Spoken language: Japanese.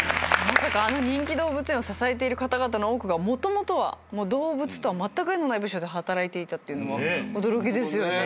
まさかあの人気動物園を支えている方々の多くがもともとは動物とはまったく縁のない部署で働いていたのは驚きですよね。